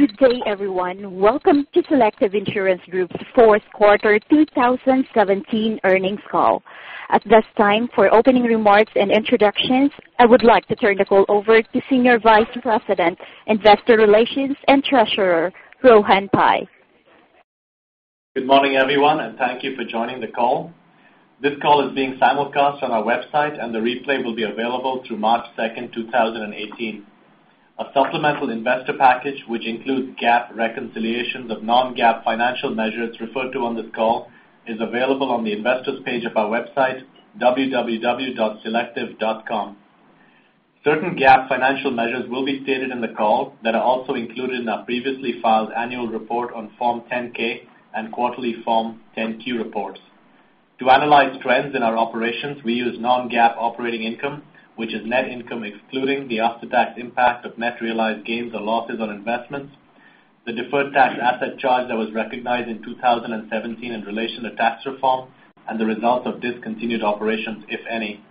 Good day, everyone. Welcome to Selective Insurance Group's fourth quarter 2017 earnings call. At this time, for opening remarks and introductions, I would like to turn the call over to Senior Vice President, Investor Relations and Treasurer, Rohan Pai. Good morning, everyone. Thank you for joining the call. This call is being simulcast on our website, and the replay will be available through March 2nd, 2018. A supplemental investor package, which includes GAAP reconciliations of non-GAAP financial measures referred to on this call, is available on the investors page of our website, www.selective.com. Certain GAAP financial measures will be stated in the call that are also included in our previously filed annual report on Form 10-K and quarterly Form 10-Q reports. To analyze trends in our operations, we use non-GAAP operating income, which is net income excluding the after-tax impact of net realized gains or losses on investments, the deferred tax asset charge that was recognized in 2017 in relation to tax reform, and the results of discontinued operations, if any.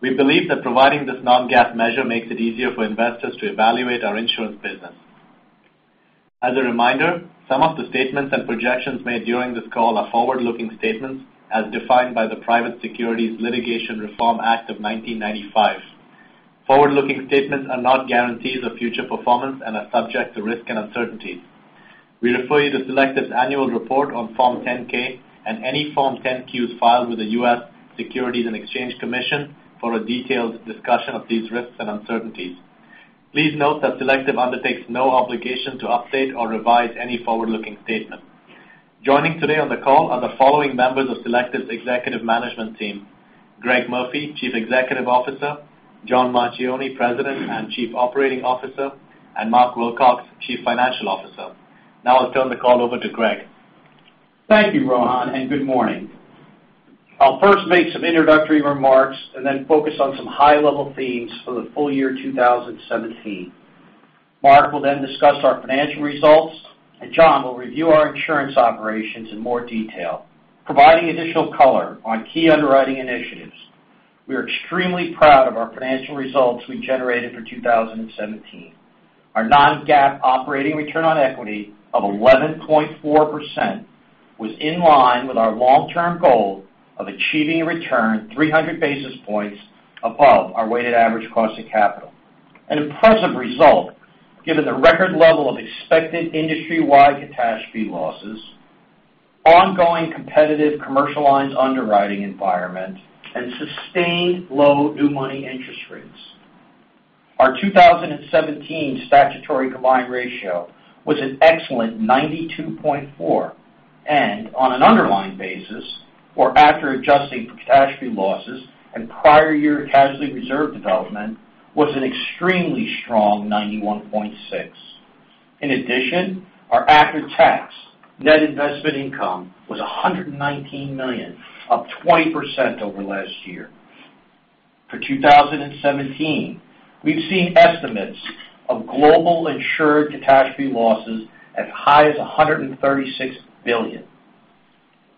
We believe that providing this non-GAAP measure makes it easier for investors to evaluate our insurance business. As a reminder, some of the statements and projections made during this call are forward-looking statements as defined by the Private Securities Litigation Reform Act of 1995. Forward-looking statements are not guarantees of future performance and are subject to risk and uncertainties. We refer you to Selective's annual report on Form 10-K and any Form 10-Qs filed with the U.S. Securities and Exchange Commission for a detailed discussion of these risks and uncertainties. Please note that Selective undertakes no obligation to update or revise any forward-looking statements. Joining today on the call are the following members of Selective's executive management team: Greg Murphy, Chief Executive Officer; John Marchioni, President and Chief Operating Officer; and Mark Wilcox, Chief Financial Officer. Now I'll turn the call over to Greg. Thank you, Rohan. Good morning. I'll first make some introductory remarks. Then focus on some high-level themes for the full year 2017. Mark will then discuss our financial results. John will review our insurance operations in more detail, providing additional color on key underwriting initiatives. We are extremely proud of our financial results we generated for 2017. Our non-GAAP operating return on equity of 11.4% was in line with our long-term goal of achieving a return 300 basis points above our weighted average cost of capital, an impressive result given the record level of expected industry-wide catastrophe losses, ongoing competitive commercial lines underwriting environment, and sustained low new money interest rates. Our 2017 statutory combined ratio was an excellent 92.4% and on an underlying basis, or after adjusting for catastrophe losses and prior year casualty reserve development, was an extremely strong 91.6%. In addition, our after-tax net investment income was $119 million, up 20% over last year. For 2017, we've seen estimates of global insured catastrophe losses as high as $136 billion.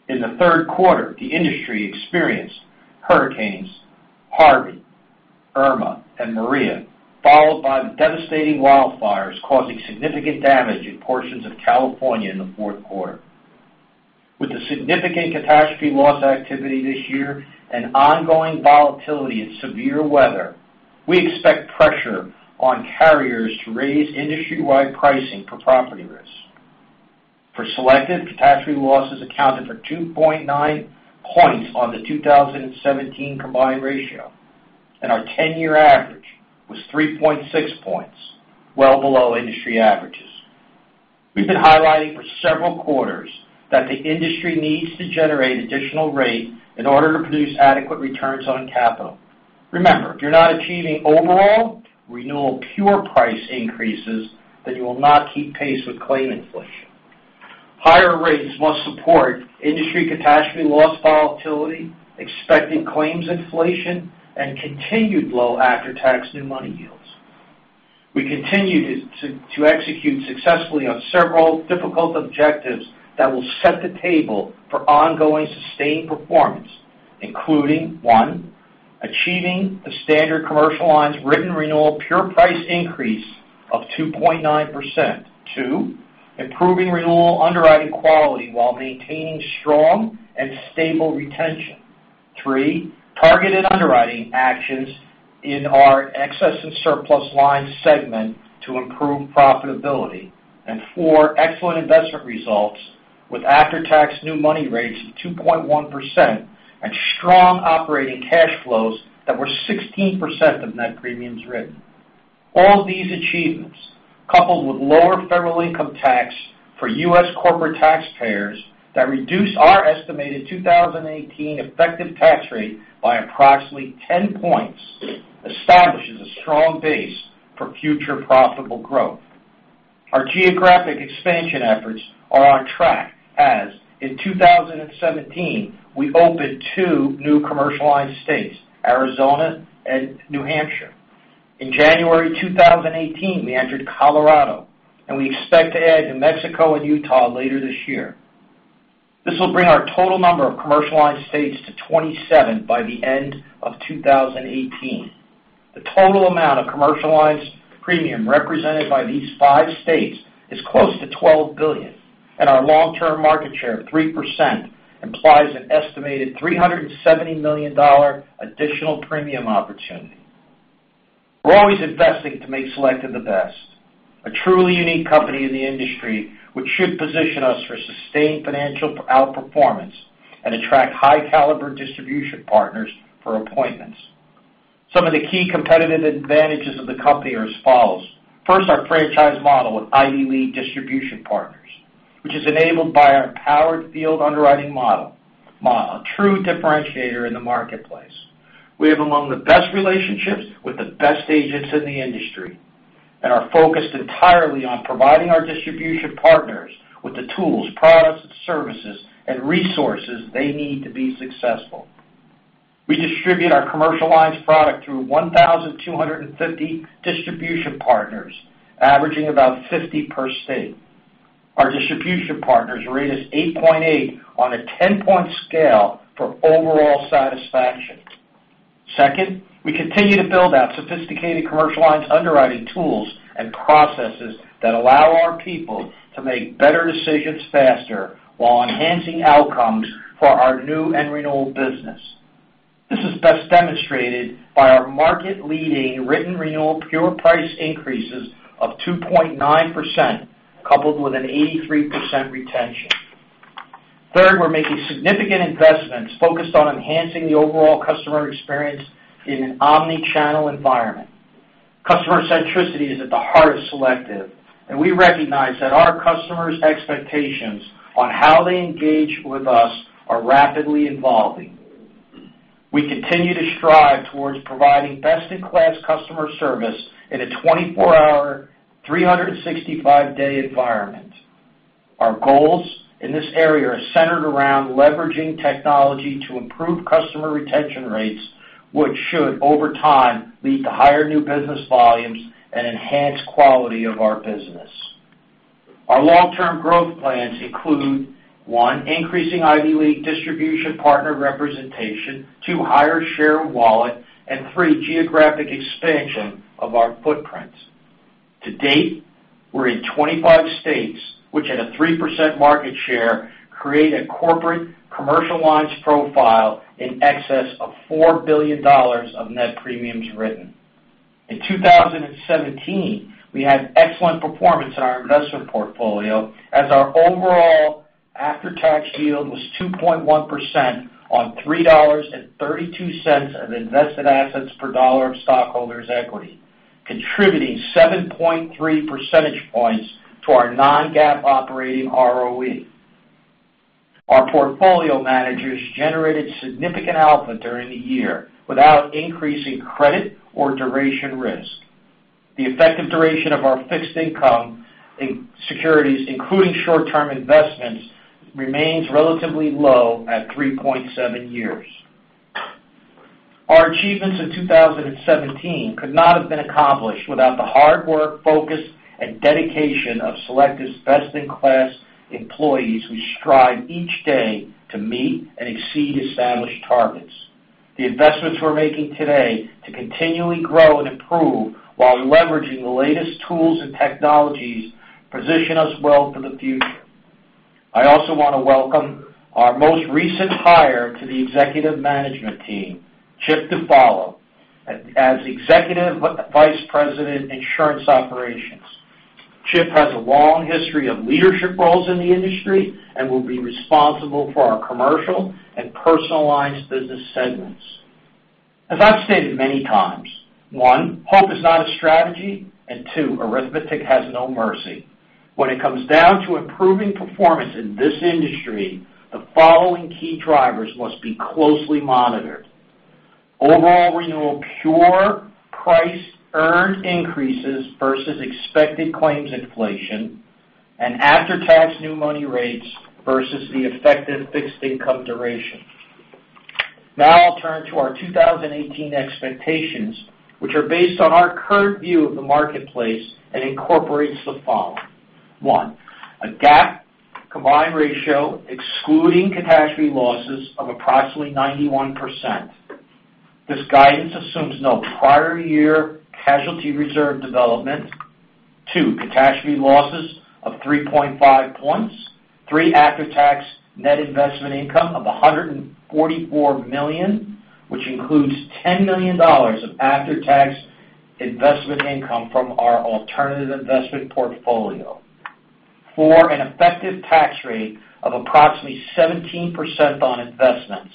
In the third quarter, the industry experienced hurricanes Harvey, Irma, and Maria, followed by the devastating wildfires causing significant damage in portions of California in the fourth quarter. With the significant catastrophe loss activity this year and ongoing volatility in severe weather, we expect pressure on carriers to raise industry-wide pricing for property risk. For Selective, catastrophe losses accounted for 2.9 points on the 2017 combined ratio, and our 10-year average was 3.6 points, well below industry averages. We've been highlighting for several quarters that the industry needs to generate additional rate in order to produce adequate returns on capital. Remember, if you're not achieving overall renewal pure price increases, then you will not keep pace with claim inflation. Higher rates must support industry catastrophe loss volatility, expected claims inflation, and continued low after-tax new money yields. We continue to execute successfully on several difficult objectives that will set the table for ongoing sustained performance, including, one, achieving a Standard Commercial Lines written renewal pure price increase of 2.9%. Two, improving renewal underwriting quality while maintaining strong and stable retention. Three, targeted underwriting actions in our Excess and Surplus Lines segment to improve profitability. Four, excellent investment results with after-tax new money rates of 2.1% and strong operating cash flows that were 16% of net premiums written. All these achievements, coupled with lower federal income tax for U.S. corporate taxpayers that reduce our estimated 2018 effective tax rate by approximately 10 points, establishes a strong base for future profitable growth. Our geographic expansion efforts are on track as, in 2017, we opened two new Commercial Lines states, Arizona and New Hampshire. In January 2018, we entered Colorado, and we expect to add New Mexico and Utah later this year. This will bring our total number of Commercial Lines states to 27 by the end of 2018. The total amount of Commercial Lines premium represented by these five states is close to $12 billion, and our long-term market share of 3% implies an estimated $370 million additional premium opportunity. We're always investing to make Selective the best, a truly unique company in the industry, which should position us for sustained financial outperformance and attract high-caliber distribution partners for appointments. Some of the key competitive advantages of the company are as follows. First, our franchise model with Ivy League distribution partners, which is enabled by our empowered field underwriting model, a true differentiator in the marketplace. We have among the best relationships with the best agents in the industry, and are focused entirely on providing our distribution partners with the tools, products, services, and resources they need to be successful. We distribute our Commercial Lines product through 1,250 distribution partners, averaging about 50 per state. Our distribution partners rate us 8.8 on a 10-point scale for overall satisfaction. Second, we continue to build out sophisticated Commercial Lines underwriting tools and processes that allow our people to make better decisions faster while enhancing outcomes for our new and renewal business. This is best demonstrated by our market-leading written renewal pure price increases of 2.9%, coupled with an 83% retention. Third, we are making significant investments focused on enhancing the overall customer experience in an omni-channel environment. Customer centricity is at the heart of Selective, and we recognize that our customers' expectations on how they engage with us are rapidly evolving. We continue to strive towards providing best-in-class customer service in a 24-hour, 365-day environment. Our goals in this area are centered around leveraging technology to improve customer retention rates, which should, over time, lead to higher new business volumes and enhance quality of our business. Our long-term growth plans include, one, increasing Ivy League distribution partner representation, two, higher share of wallet, and three, geographic expansion of our footprints. To date, we are in 25 states, which at a 3% market share, create a corporate commercial lines profile in excess of $4 billion of net premiums written. In 2017, we had excellent performance in our investment portfolio as our overall after-tax yield was 2.1% on $3.32 of invested assets per dollar of stockholders' equity, contributing 7.3 percentage points to our non-GAAP operating ROE. Our portfolio managers generated significant output during the year without increasing credit or duration risk. The effective duration of our fixed income in securities, including short-term investments, remains relatively low at 3.7 years. Our achievements in 2017 could not have been accomplished without the hard work, focus, and dedication of Selective's best-in-class employees, who strive each day to meet and exceed established targets. The investments we are making today to continually grow and improve while leveraging the latest tools and technologies position us well for the future. I also want to welcome our most recent hire to the executive management team, Chip DiPaolo, as Executive Vice President, Insurance Operations. Chip has a long history of leadership roles in the industry and will be responsible for our commercial and Personal Lines business segments. As I have stated many times, one, hope is not a strategy, and two, arithmetic has no mercy. When it comes down to improving performance in this industry, the following key drivers must be closely monitored. Overall renewal pure price earned increases versus expected claims inflation, and after-tax new money rates versus the effective fixed income duration. Now I will turn to our 2018 expectations, which are based on our current view of the marketplace and incorporates the following. One, a GAAP combined ratio excluding catastrophe losses of approximately 91%. This guidance assumes no prior year casualty reserve development. Two, catastrophe losses of 3.5 points. Three, after-tax net investment income of $144 million, which includes $10 million of after-tax investment income from our alternative investment portfolio. Four, an effective tax rate of approximately 17% on investments,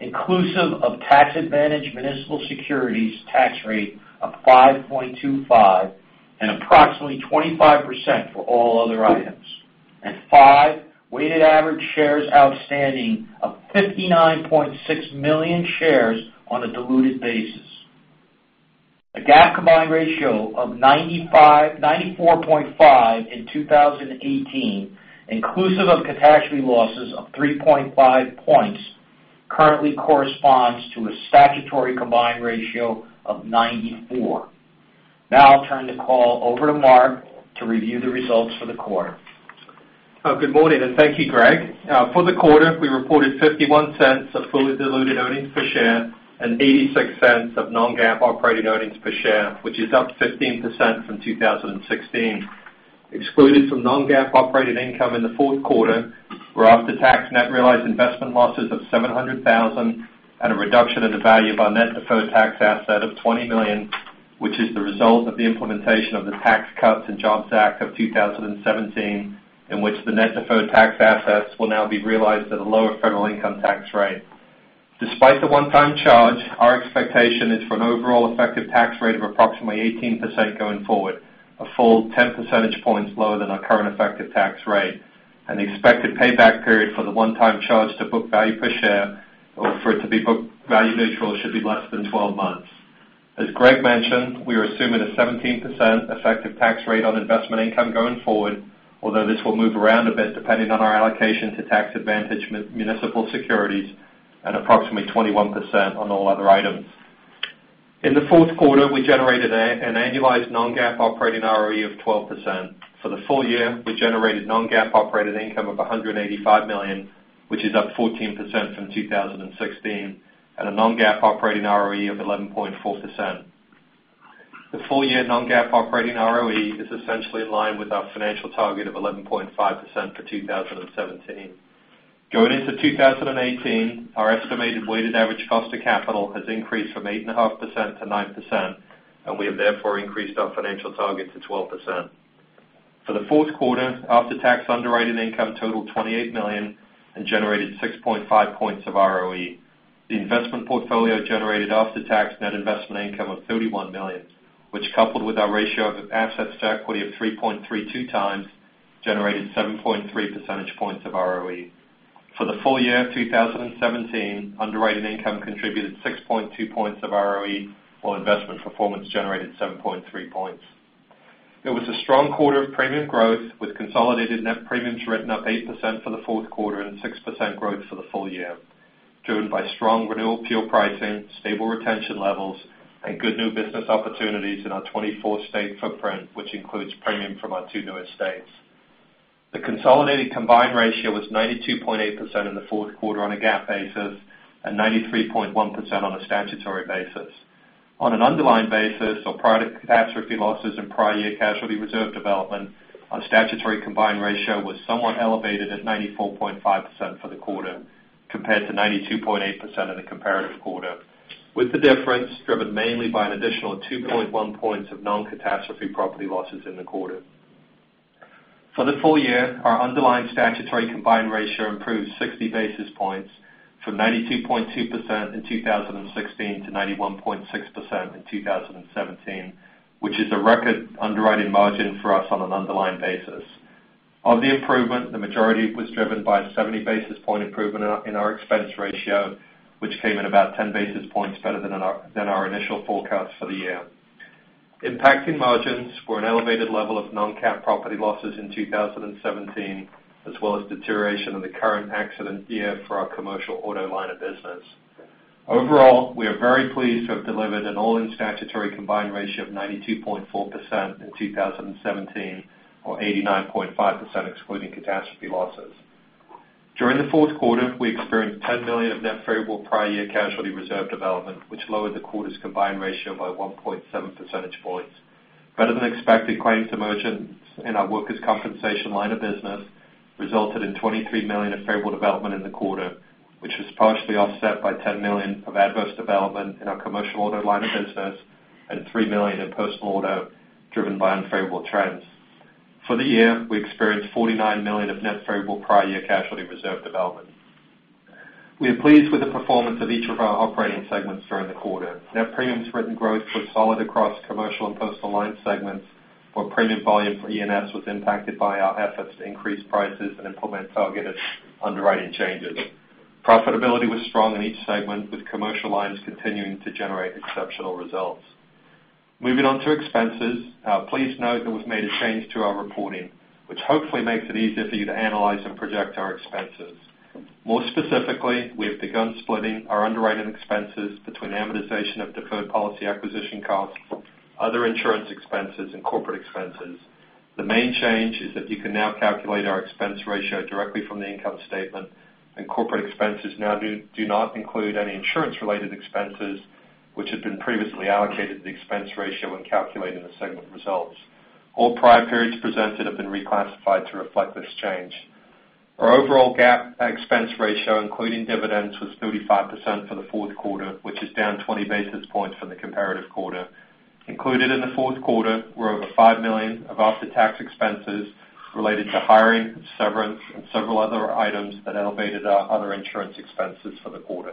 inclusive of tax-advantaged municipal securities tax rate of 5.25 and approximately 25% for all other items. Five, weighted average shares outstanding of 59.6 million shares on a diluted basis. A GAAP combined ratio of 94.5 in 2018, inclusive of catastrophe losses of 3.5 points, currently corresponds to a statutory combined ratio of 94. Now I will turn the call over to Mark to review the results for the quarter. Good morning. Thank you, Greg. For the quarter, we reported $0.51 of fully diluted earnings per share and $0.86 of non-GAAP operating earnings per share, which is up 15% from 2016. Excluded from non-GAAP operating income in the fourth quarter were after-tax net realized investment losses of $700,000 and a reduction in the value of our net deferred tax asset of $20 million, which is the result of the implementation of the Tax Cuts and Jobs Act of 2017, in which the net deferred tax assets will now be realized at a lower federal income tax rate. Despite the one-time charge, our expectation is for an overall effective tax rate of approximately 18% going forward, a full 10 percentage points lower than our current effective tax rate, and the expected payback period for the one-time charge to book value per share, or for it to be book value neutral, should be less than 12 months. As Greg mentioned, we are assuming a 17% effective tax rate on investment income going forward, although this will move around a bit depending on our allocation to tax-advantaged municipal securities and approximately 21% on all other items. In the fourth quarter, we generated an annualized non-GAAP operating ROE of 12%. For the full year, we generated non-GAAP operating income of $185 million, which is up 14% from 2016, and a non-GAAP operating ROE of 11.4%. The full-year non-GAAP operating ROE is essentially in line with our financial target of 11.5% for 2017. Going into 2018, our estimated weighted average cost of capital has increased from 8.5% to 9%, and we have therefore increased our financial target to 12%. For the fourth quarter, after-tax underwriting income totaled $28 million and generated 6.5 points of ROE. The investment portfolio generated after-tax net investment income of $31 million, which coupled with our ratio of assets to equity of 3.32 times, generated 7.3 percentage points of ROE. For the full year 2017, underwriting income contributed 6.2 points of ROE, while investment performance generated 7.3 points. It was a strong quarter of premium growth with consolidated net premiums written up 8% for the fourth quarter and 6% growth for the full year, driven by strong renewal pure pricing, stable retention levels, and good new business opportunities in our 24-state footprint, which includes premium from our two newest states. The consolidated combined ratio was 92.8% in the fourth quarter on a GAAP basis and 93.1% on a statutory basis. On an underlying basis or prior catastrophe losses and prior year casualty reserve development, our statutory combined ratio was somewhat elevated at 94.5% for the quarter compared to 92.8% in the comparative quarter, with the difference driven mainly by an additional 2.1 points of non-catastrophe property losses in the quarter. For the full year, our underlying statutory combined ratio improved 60 basis points from 92.2% in 2016 to 91.6% in 2017, which is a record underwriting margin for us on an underlying basis. Of the improvement, the majority was driven by a 70 basis point improvement in our expense ratio, which came in about 10 basis points better than our initial forecast for the year. Impacting margins were an elevated level of non-cat property losses in 2017, as well as deterioration of the current accident year for our Commercial Auto line of business. Overall, we are very pleased to have delivered an all-in statutory combined ratio of 92.4% in 2017, or 89.5% excluding catastrophe losses. During the fourth quarter, we experienced $10 million of net favorable prior year casualty reserve development, which lowered the quarter's combined ratio by 1.7 percentage points. Better-than-expected claims emergence in our Workers' Compensation line of business resulted in $23 million of favorable development in the quarter, which was partially offset by $10 million of adverse development in our Commercial Auto line of business and $3 million in Personal Lines auto, driven by unfavorable trends. For the year, we experienced $49 million of net favorable prior year casualty reserve development. We are pleased with the performance of each of our operating segments during the quarter. Net premiums written growth was solid across Commercial Lines and Personal Lines segments, where premium volume for E&S was impacted by our efforts to increase prices and implement targeted underwriting changes. Profitability was strong in each segment, with Commercial Lines continuing to generate exceptional results. Moving on to expenses. Please note that we've made a change to our reporting, which hopefully makes it easier for you to analyze and project our expenses. More specifically, we have begun splitting our underwriting expenses between amortization of deferred policy acquisition costs, other insurance expenses, and corporate expenses. The main change is that you can now calculate our expense ratio directly from the income statement, and corporate expenses now do not include any insurance-related expenses, which had been previously allocated to the expense ratio when calculating the segment results. All prior periods presented have been reclassified to reflect this change. Our overall GAAP expense ratio, including dividends, was 35% for the fourth quarter, which is down 20 basis points from the comparative quarter. Included in the fourth quarter were over $5 million of after-tax expenses related to hiring, severance, and several other items that elevated our other insurance expenses for the quarter.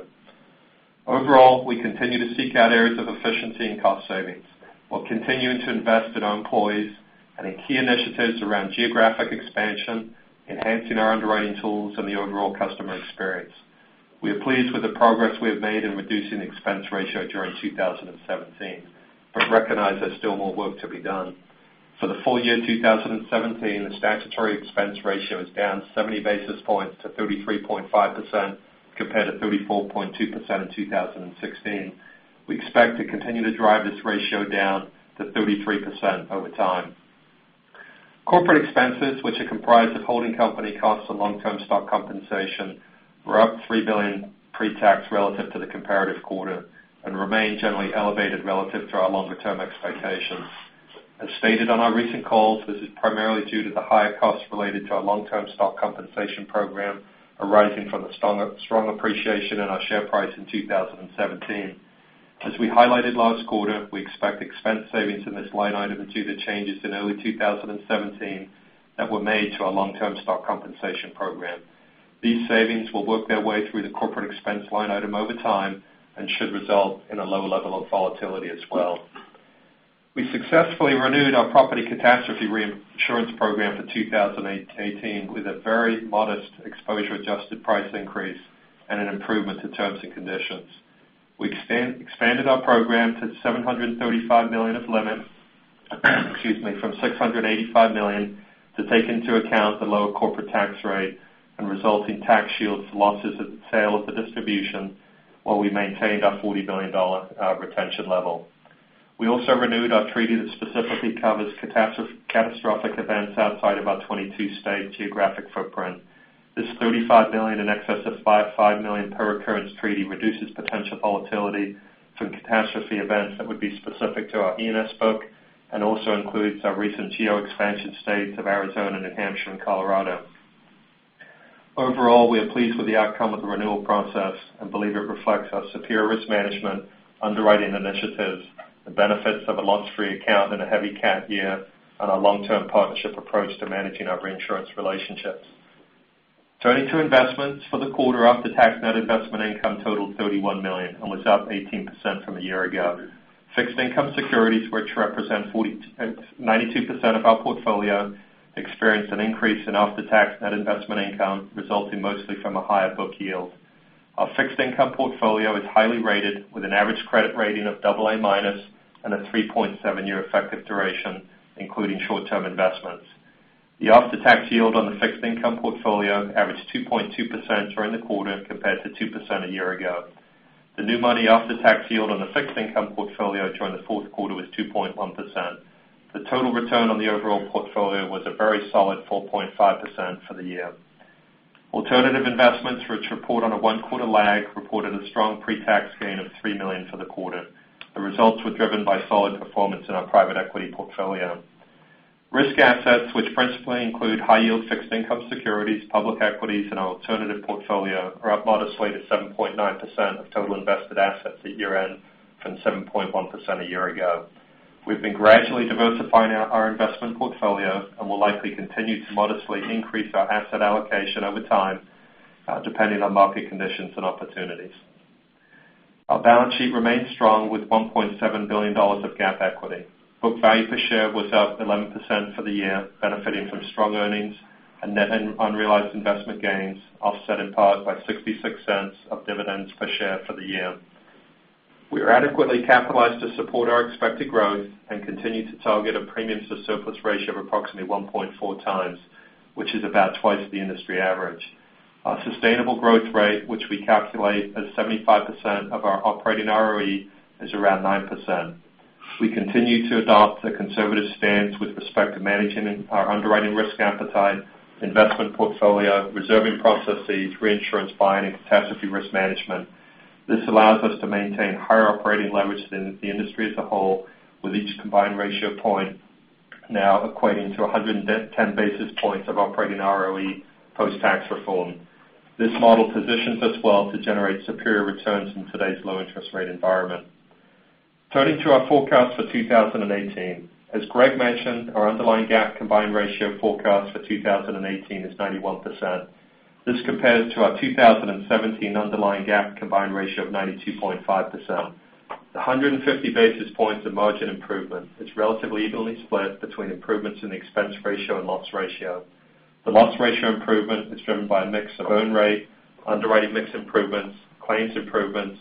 Overall, we continue to seek out areas of efficiency and cost savings while continuing to invest in our employees and in key initiatives around geographic expansion, enhancing our underwriting tools, and the overall customer experience. We are pleased with the progress we have made in reducing the expense ratio during 2017 but recognize there's still more work to be done. For the full year 2017, the statutory expense ratio is down 70 basis points to 33.5%, compared to 34.2% in 2016. We expect to continue to drive this ratio down to 33% over time. Corporate expenses, which are comprised of holding company costs and long-term stock compensation, were up $3 million pre-tax relative to the comparative quarter and remain generally elevated relative to our longer-term expectations. As stated on our recent calls, this is primarily due to the higher costs related to our long-term stock compensation program arising from the strong appreciation in our share price in 2017. As we highlighted last quarter, we expect expense savings in this line item due to changes in early 2017 that were made to our long-term stock compensation program. These savings will work their way through the corporate expense line item over time and should result in a lower level of volatility as well. We successfully renewed our property catastrophe reinsurance program for 2018 with a very modest exposure-adjusted price increase and an improvement to terms and conditions. We expanded our program to $735 million of limits from $685 million to take into account the lower corporate tax rate and resulting tax shields losses at the sale of the distribution, while we maintained our $40 billion retention level. We also renewed our treaty that specifically covers catastrophic events outside of our 22-state geographic footprint. This $35 million in excess of $55 million per occurrence treaty reduces potential volatility from catastrophe events that would be specific to our E&S book and also includes our recent geo expansion states of Arizona, New Hampshire, and Colorado. Overall, we are pleased with the outcome of the renewal process and believe it reflects our superior risk management, underwriting initiatives, the benefits of a loss-free account and a heavy cat year, and our long-term partnership approach to managing our reinsurance relationships. Turning to investments for the quarter, after-tax net investment income totaled $31 million and was up 18% from a year ago. Fixed income securities, which represent 92% of our portfolio, experienced an increase in after-tax net investment income, resulting mostly from a higher book yield. Our fixed income portfolio is highly rated with an average credit rating of double A minus and a 3.7-year effective duration, including short-term investments. The after-tax yield on the fixed income portfolio averaged 2.2% during the quarter compared to 2% a year ago. The new money after-tax yield on the fixed income portfolio during the fourth quarter was 2.1%. The total return on the overall portfolio was a very solid 4.5% for the year. Alternative investments, which report on a one-quarter lag, reported a strong pre-tax gain of $3 million for the quarter. The results were driven by solid performance in our private equity portfolio. Risk assets, which principally include high yield fixed income securities, public equities, and our alternative portfolio, are up modestly to 7.9% of total invested assets at year-end from 7.1% a year ago. We've been gradually diversifying our investment portfolio and will likely continue to modestly increase our asset allocation over time, depending on market conditions and opportunities. Our balance sheet remains strong with $1.7 billion of GAAP equity. Book value per share was up 11% for the year, benefiting from strong earnings and net unrealized investment gains, offset in part by $0.66 of dividends per share for the year. We are adequately capitalized to support our expected growth and continue to target a premium to surplus ratio of approximately 1.4 times, which is about twice the industry average. Our sustainable growth rate, which we calculate as 75% of our operating ROE, is around 9%. We continue to adopt a conservative stance with respect to managing our underwriting risk appetite, investment portfolio, reserving processes, reinsurance buying, and catastrophe risk management. This allows us to maintain higher operating leverage than the industry as a whole, with each combined ratio point now equating to 110 basis points of operating ROE post-tax reform. This model positions us well to generate superior returns in today's low-interest rate environment. Turning to our forecast for 2018. As Greg mentioned, our underlying GAAP combined ratio forecast for 2018 is 91%. This compares to our 2017 underlying GAAP combined ratio of 92.5%. The 150 basis points of margin improvement is relatively evenly split between improvements in the expense ratio and loss ratio. The loss ratio improvement is driven by a mix of earn rate, underwriting mix improvements, claims improvements,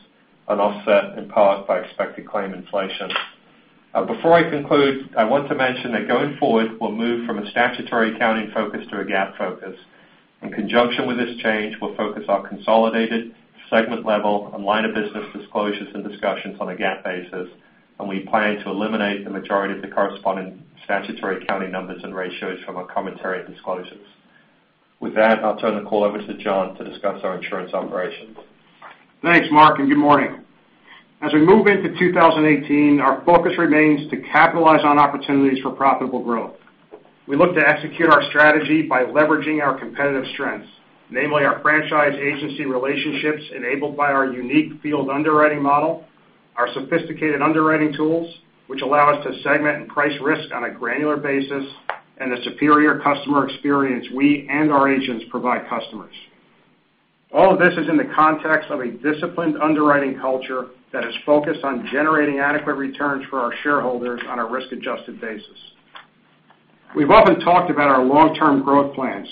and offset in part by expected claim inflation. Before I conclude, I want to mention that going forward, we'll move from a statutory accounting focus to a GAAP focus. In conjunction with this change, we'll focus our consolidated segment level and line of business disclosures and discussions on a GAAP basis, and we plan to eliminate the majority of the corresponding statutory accounting numbers and ratios from our commentary disclosures. With that, I'll turn the call over to John to discuss our insurance operations. Thanks, Mark, and good morning. As we move into 2018, our focus remains to capitalize on opportunities for profitable growth. We look to execute our strategy by leveraging our competitive strengths, namely our franchise agency relationships enabled by our unique field underwriting model, our sophisticated underwriting tools, which allow us to segment and price risk on a granular basis, and the superior customer experience we and our agents provide customers. All of this is in the context of a disciplined underwriting culture that is focused on generating adequate returns for our shareholders on a risk-adjusted basis. We've often talked about our long-term growth plans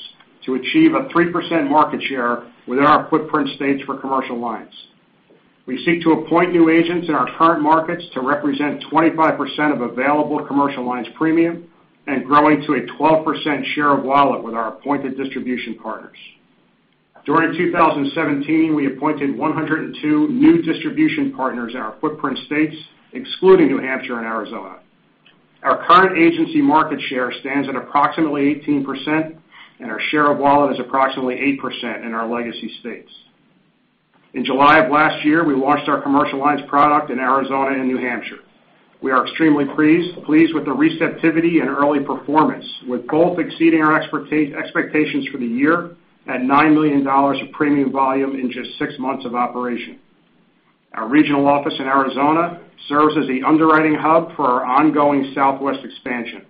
to achieve a 3% market share within our footprint states for Commercial Lines. We seek to appoint new agents in our current markets to represent 25% of available Commercial Lines premium and growing to a 12% share of wallet with our appointed distribution partners. During 2017, we appointed 102 new distribution partners in our footprint states, excluding New Hampshire and Arizona. Our current agency market share stands at approximately 18%, and our share of wallet is approximately 8% in our legacy states. In July of last year, we launched our Commercial Lines product in Arizona and New Hampshire. We are extremely pleased with the receptivity and early performance, with both exceeding our expectations for the year at $9 million of premium volume in just six months of operation. Our regional office in Arizona serves as the underwriting hub for our ongoing Southwest expansion.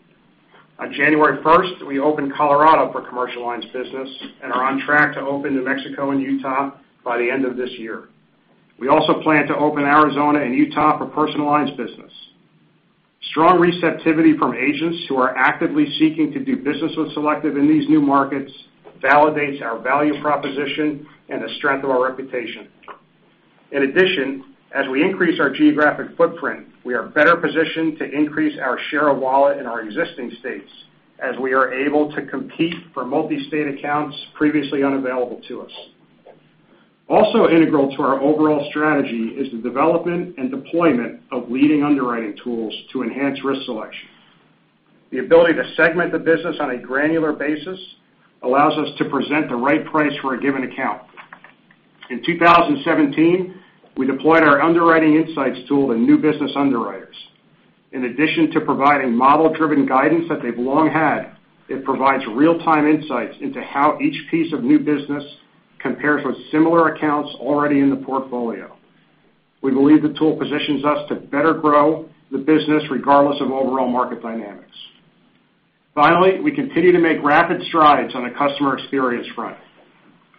On January 1st, we opened Colorado for Commercial Lines business and are on track to open New Mexico and Utah by the end of this year. We also plan to open Arizona and Utah for Personal Lines business. Strong receptivity from agents who are actively seeking to do business with Selective in these new markets validates our value proposition and the strength of our reputation. In addition, as we increase our geographic footprint, we are better positioned to increase our share of wallet in our existing states as we are able to compete for multi-state accounts previously unavailable to us. Also integral to our overall strategy is the development and deployment of leading underwriting tools to enhance risk selection. The ability to segment the business on a granular basis allows us to present the right price for a given account. In 2017, we deployed our underwriting insights tool to new business underwriters. In addition to providing model-driven guidance that they've long had, it provides real-time insights into how each piece of new business compares with similar accounts already in the portfolio. We believe the tool positions us to better grow the business regardless of overall market dynamics. We continue to make rapid strides on the customer experience front.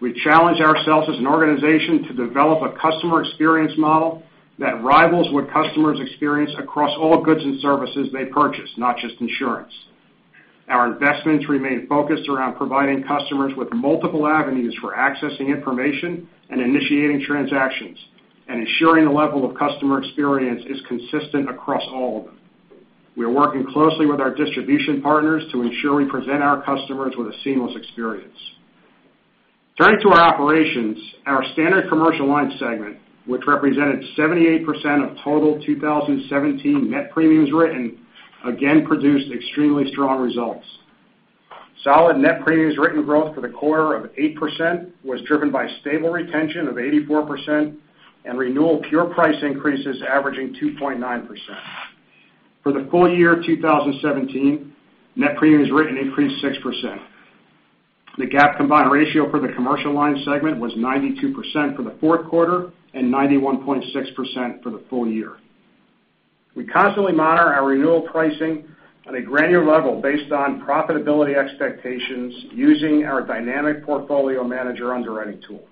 We challenge ourselves as an organization to develop a customer experience model that rivals what customers experience across all goods and services they purchase, not just insurance. Our investments remain focused around providing customers with multiple avenues for accessing information and initiating transactions and ensuring the level of customer experience is consistent across all of them. We are working closely with our distribution partners to ensure we present our customers with a seamless experience. Turning to our operations, our Standard Commercial Lines segment, which represented 78% of total 2017 net premiums written, again produced extremely strong results. Solid net premiums written growth for the quarter of 8% was driven by stable retention of 84% and renewal pure price increases averaging 2.9%. For the full year of 2017, net premiums written increased 6%. The GAAP combined ratio for the commercial lines segment was 92% for the fourth quarter and 91.6% for the full year. We constantly monitor our renewal pricing on a granular level based on profitability expectations using our dynamic portfolio manager underwriting tool.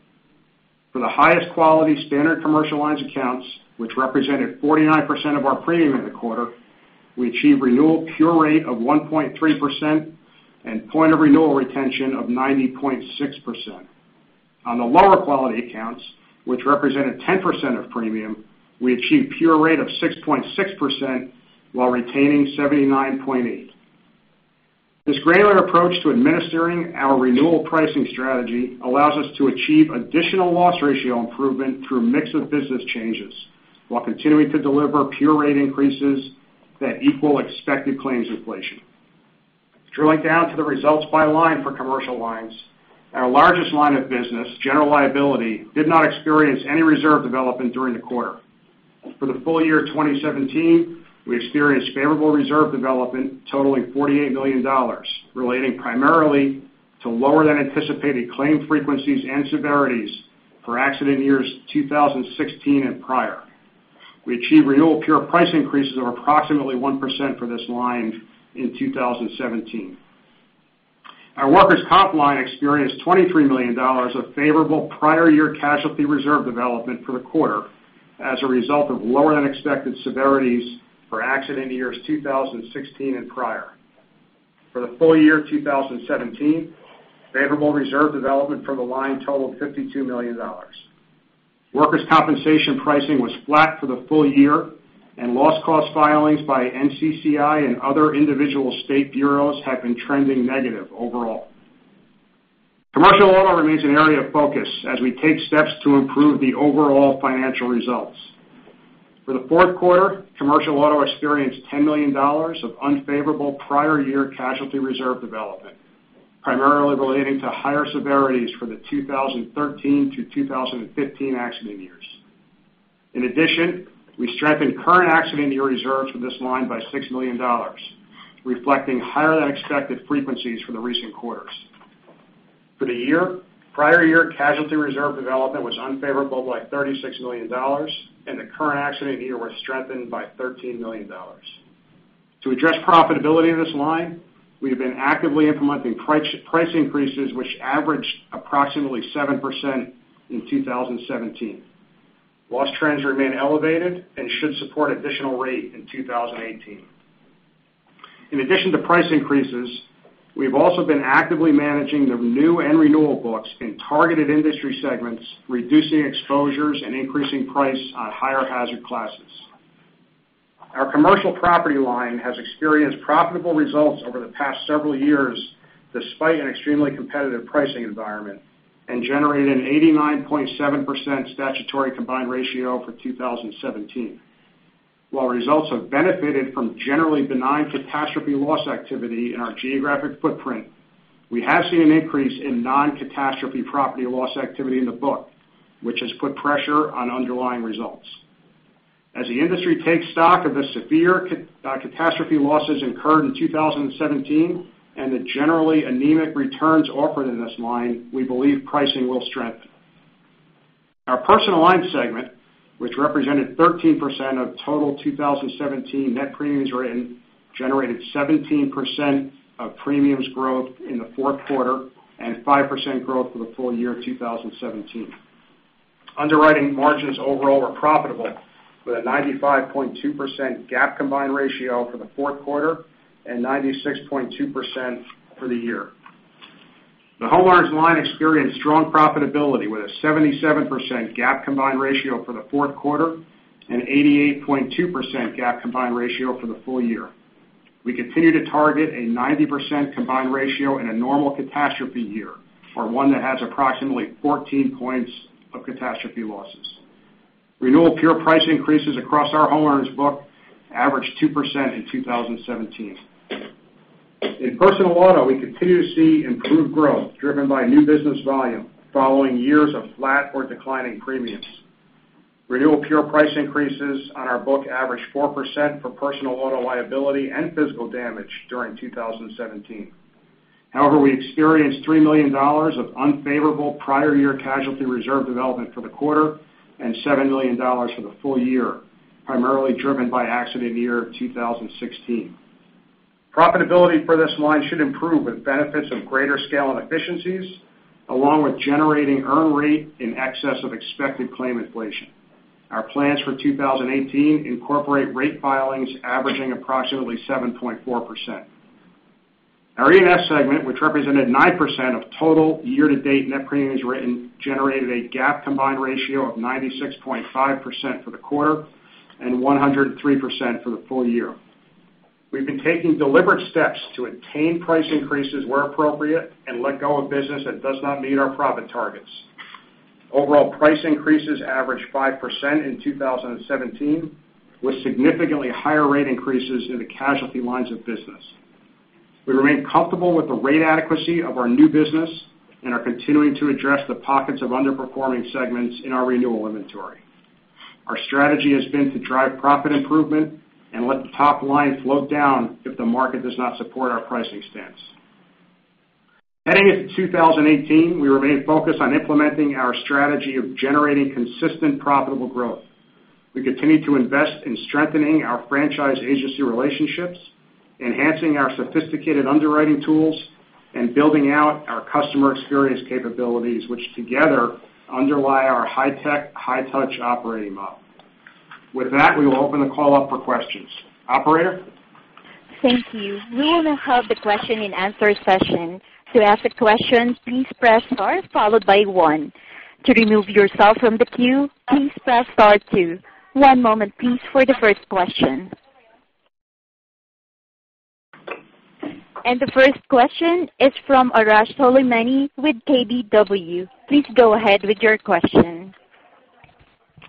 For the highest quality Standard Commercial Lines accounts, which represented 49% of our premium in the quarter, we achieved renewal pure rate of 1.3% and point of renewal retention of 90.6%. On the lower quality accounts, which represented 10% of premium, we achieved pure rate of 6.6% while retaining 79.8%. This granular approach to administering our renewal pricing strategy allows us to achieve additional loss ratio improvement through mix of business changes while continuing to deliver pure rate increases that equal expected claims inflation. Drilling down to the results by line for commercial lines, our largest line of business, General Liability, did not experience any reserve development during the quarter. For the full year 2017, we experienced favorable reserve development totaling $48 million, relating primarily to lower than anticipated claim frequencies and severities for accident years 2016 and prior. We achieved renewal pure price increases of approximately 1% for this line in 2017. Our Workers' Comp line experienced $23 million of favorable prior year casualty reserve development for the quarter as a result of lower than expected severities for accident years 2016 and prior. For the full year 2017, favorable reserve development for the line totaled $52 million. Workers' Compensation pricing was flat for the full year, and loss cost filings by NCCI and other individual state bureaus have been trending negative overall. Commercial auto remains an area of focus as we take steps to improve the overall financial results. For the fourth quarter, Commercial Auto experienced $10 million of unfavorable prior year casualty reserve development, primarily relating to higher severities for the 2013 to 2015 accident years. In addition, we strengthened current accident year reserves for this line by $6 million, reflecting higher than expected frequencies for the recent quarters. For the year, prior year casualty reserve development was unfavorable by $36 million, and the current accident year was strengthened by $13 million. To address profitability in this line, we have been actively implementing price increases, which averaged approximately 7% in 2017. Loss trends remain elevated and should support additional rate in 2018. In addition to price increases, we've also been actively managing the new and renewal books in targeted industry segments, reducing exposures and increasing price on higher hazard classes. Our Commercial Property line has experienced profitable results over the past several years, despite an extremely competitive pricing environment, and generated an 89.7% statutory combined ratio for 2017. While results have benefited from generally benign catastrophe loss activity in our geographic footprint, we have seen an increase in non-catastrophe property loss activity in the book, which has put pressure on underlying results. As the industry takes stock of the severe catastrophe losses incurred in 2017 and the generally anemic returns offered in this line, we believe pricing will strengthen. Our Personal Lines segment, which represented 13% of total 2017 net premiums written, generated 17% of premiums growth in the fourth quarter and 5% growth for the full year 2017. Underwriting margins overall were profitable, with a 95.2% GAAP combined ratio for the fourth quarter and 96.2% for the year. The homeowners line experienced strong profitability, with a 77% GAAP combined ratio for the fourth quarter and 88.2% GAAP combined ratio for the full year. We continue to target a 90% combined ratio in a normal catastrophe year, or one that has approximately 14 points of catastrophe losses. Renewal pure price increases across our homeowners book averaged 2% in 2017. In personal auto, we continue to see improved growth driven by new business volume following years of flat or declining premiums. Renewal pure price increases on our book averaged 4% for personal auto liability and physical damage during 2017. We experienced $3 million of unfavorable prior year casualty reserve development for the quarter and $7 million for the full year, primarily driven by accident year 2016. Profitability for this line should improve with benefits of greater scale and efficiencies, along with generating earn rate in excess of expected claim inflation. Our plans for 2018 incorporate rate filings averaging approximately 7.4%. Our E&S segment, which represented 9% of total year-to-date net premiums written, generated a GAAP combined ratio of 96.5% for the quarter and 103% for the full year. We've been taking deliberate steps to attain price increases where appropriate and let go of business that does not meet our profit targets. Overall price increases averaged 5% in 2017, with significantly higher rate increases in the casualty lines of business. We remain comfortable with the rate adequacy of our new business and are continuing to address the pockets of underperforming segments in our renewal inventory. Our strategy has been to drive profit improvement and let the top line float down if the market does not support our pricing stance. Heading into 2018, we remain focused on implementing our strategy of generating consistent profitable growth. We continue to invest in strengthening our franchise agency relationships, enhancing our sophisticated underwriting tools, and building out our customer experience capabilities, which together underlie our high-tech, high-touch operating model. With that, we will open the call up for questions. Operator? Thank you. We will now have the question and answer session. To ask a question, please press star followed by 1. To remove yourself from the queue, please press star 2. One moment please for the first question. The first question is from Arash Soleimani with KBW. Please go ahead with your question.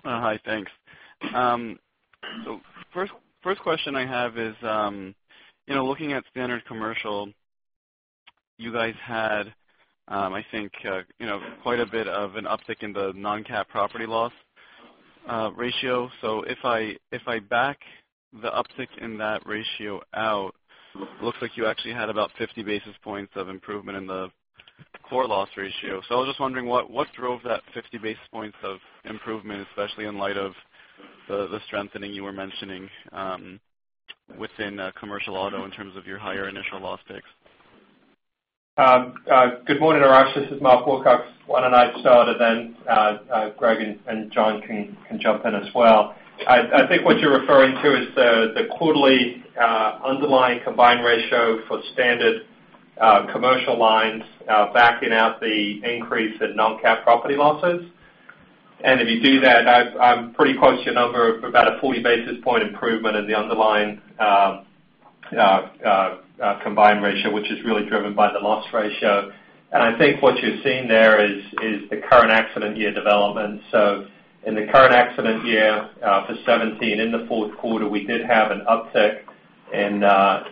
Hi, thanks. First question I have is, looking at standard commercial, you guys had, I think quite a bit of an uptick in the non-cat property loss ratio. If I back the uptick in that ratio out, looks like you actually had about 50 basis points of improvement in the core loss ratio. I was just wondering what drove that 50 basis points of improvement, especially in light of the strengthening you were mentioning within Commercial Auto in terms of your higher initial loss picks. Good morning, Arash. This is Mark Wilcox. Why don't I start, then Greg and John can jump in as well. I think what you're referring to is the quarterly underlying combined ratio for Standard Commercial Lines backing out the increase in non-cat property losses. If you do that, I'm pretty close to your number of about a 40 basis point improvement in the underlying combined ratio, which is really driven by the loss ratio. I think what you're seeing there is the current accident year development. In the current accident year, for 2017 in the fourth quarter, we did have an uptick in our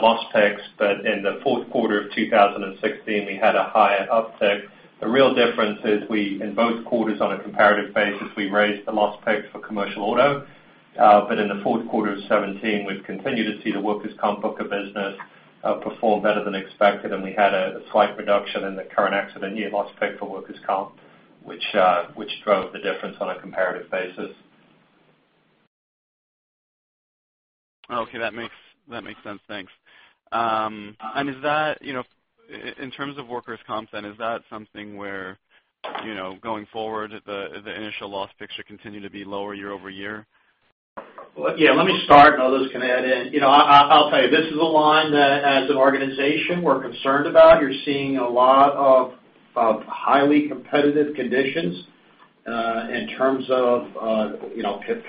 loss picks. In the fourth quarter of 2016, we had a higher uptick. The real difference is in both quarters on a comparative basis, we raised the loss pick for Commercial Auto. In the fourth quarter of 2017, we've continued to see the workers' comp book of business perform better than expected, and we had a slight reduction in the current accident year loss pick for workers' comp, which drove the difference on a comparative basis. Okay. That makes sense. Thanks. In terms of workers' comp then, is that something where, going forward, the initial loss picks should continue to be lower year-over-year? Well, yeah. Let me start, and others can add in. I'll tell you, this is a line that as an organization, we're concerned about. You're seeing a lot of highly competitive conditions in terms of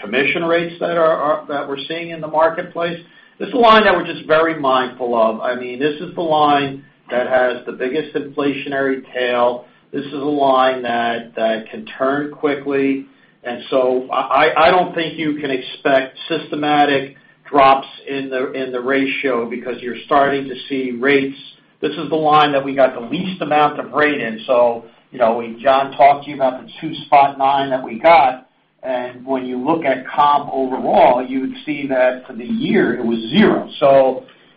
commission rates that we're seeing in the marketplace. This is a line that we're just very mindful of. This is the line that has the biggest inflationary tail. This is a line that can turn quickly. I don't think you can expect systematic drops in the ratio because you're starting to see rates. This is the line that we got the least amount of rate in. When John talked to you about the 2.9 that we got, and when you look at comp overall, you would see that for the year it was 0.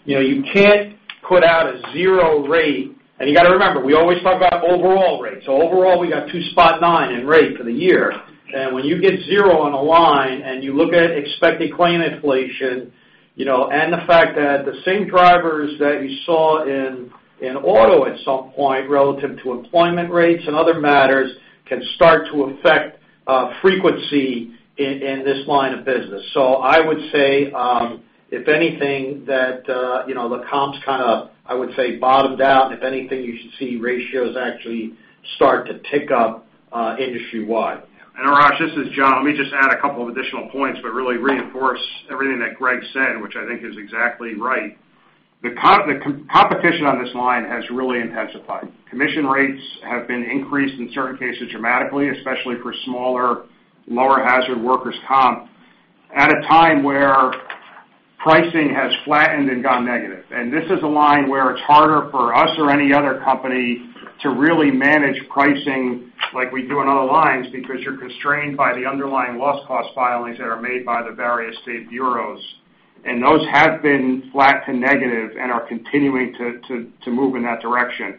You can't put out a 0 rate. You got to remember, we always talk about overall rates. Overall, we got 2.9 in rate for the year. When you get 0 on a line and you look at expected claim inflation, and the fact that the same drivers that you saw in auto at some point relative to employment rates and other matters, can start to affect frequency in this line of business. I would say, if anything, that the comps kind of bottomed out. If anything, you should see ratios actually start to tick up industry-wide. Ajash, this is John. Let me just add a couple of additional points, but really reinforce everything that Greg said, which I think is exactly right. The competition on this line has really intensified. Commission rates have been increased, in certain cases dramatically, especially for smaller, lower hazard Workers' Comp, at a time where pricing has flattened and gone negative. This is a line where it's harder for us or any other company to really manage pricing like we do on other lines because you're constrained by the underlying loss cost filings that are made by the various state bureaus. Those have been flat to negative and are continuing to move in that direction.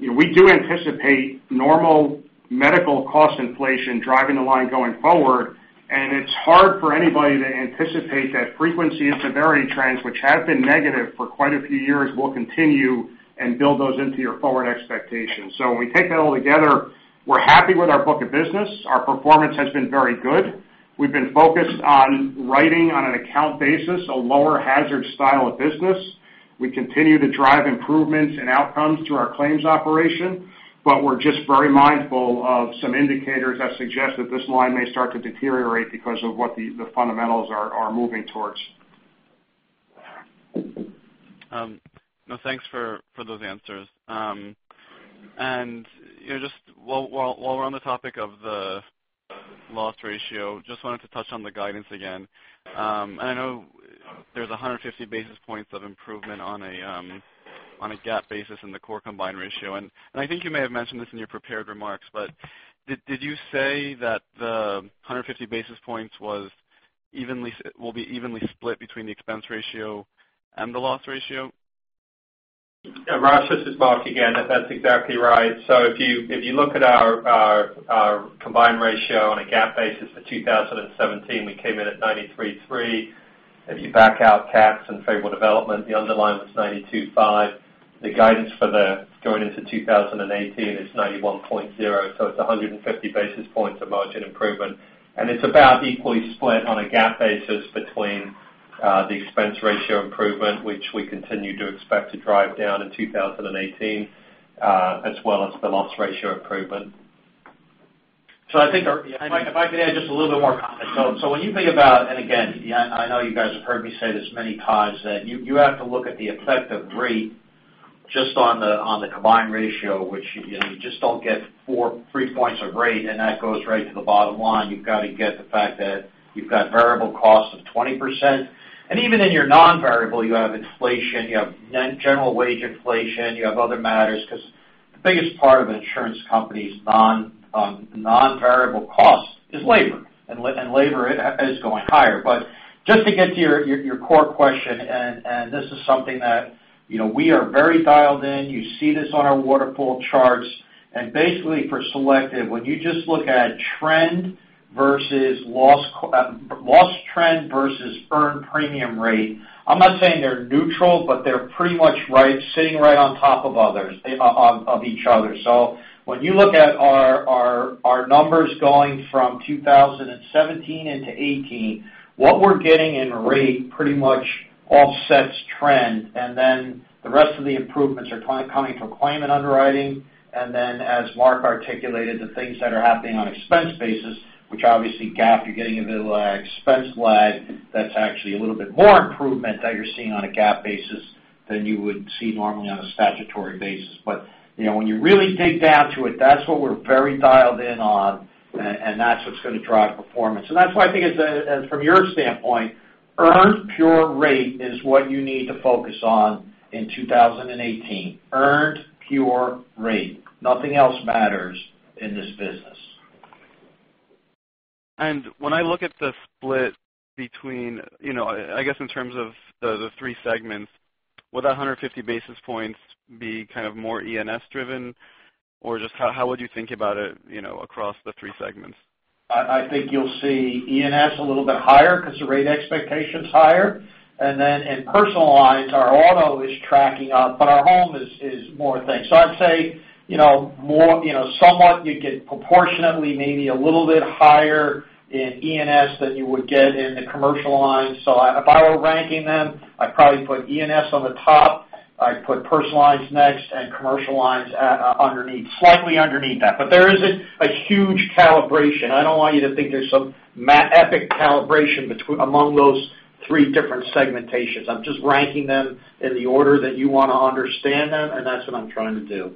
We do anticipate normal medical cost inflation driving the line going forward, and it's hard for anybody to anticipate that frequency and severity trends, which have been negative for quite a few years, will continue and build those into your forward expectations. When we take that all together, we're happy with our book of business. Our performance has been very good. We've been focused on writing on an account basis, a lower hazard style of business. We continue to drive improvements and outcomes through our claims operation, but we're just very mindful of some indicators that suggest that this line may start to deteriorate because of what the fundamentals are moving towards. No, thanks for those answers. While we're on the topic of the loss ratio, just wanted to touch on the guidance again. I know there's 150 basis points of improvement on a GAAP basis in the core combined ratio, and I think you may have mentioned this in your prepared remarks, but did you say that the 150 basis points will be evenly split between the expense ratio and the loss ratio? Arash, this is Mark again. That's exactly right. If you look at our combined ratio on a GAAP basis for 2017, we came in at 93.3. If you back out cats and favorable development, the underlying was 92.5. The guidance going into 2018 is 91.0. It's 150 basis points of margin improvement, and it's about equally split on a GAAP basis between the expense ratio improvement, which we continue to expect to drive down in 2018, as well as the loss ratio improvement. I think if I could add just a little bit more comment. When you think about, and again, I know you guys have heard me say this many times, that you have to look at the effective rate just on the combined ratio, which you just don't get 3 points of rate, and that goes right to the bottom line. You've got to get the fact that you've got variable costs of 20%. Even in your non-variable, you have inflation, you have general wage inflation, you have other matters, because the biggest part of insurance company's non-variable cost is labor, and labor is going higher. Just to get to your core question, and this is something that we are very dialed in. You see this on our waterfall charts. Basically for Selective, when you just look at loss trend versus earned premium rate, I'm not saying they're neutral, but they're pretty much sitting right on top of each other. When you look at our numbers going from 2017 into 2018, what we're getting in rate pretty much offsets trend. The rest of the improvements are coming from claimant underwriting. As Mark articulated, the things that are happening on expense basis, which obviously GAAP, you're getting a bit of an expense lag. That's actually a little bit more improvement that you're seeing on a GAAP basis than you would see normally on a statutory basis. When you really dig down to it, that's what we're very dialed in on, and that's what's going to drive performance. That's why I think from your standpoint, earned pure rate is what you need to focus on in 2018. Earned pure rate. Nothing else matters in this business. When I look at the split between, I guess in terms of the three segments, will that 150 basis points be more E&S driven, or just how would you think about it across the three segments? I think you'll see E&S a little bit higher because the rate expectation's higher. In Personal Lines, our auto is tracking up, but our home is more thick. I'd say, somewhat you'd get proportionately, maybe a little bit higher in E&S than you would get in the Commercial Lines. If I were ranking them, I'd probably put E&S on the top, I'd put Personal Lines next, and Commercial Lines slightly underneath that. There isn't a huge calibration. I don't want you to think there's some epic calibration among those three different segmentations. I'm just ranking them in the order that you want to understand them, and that's what I'm trying to do.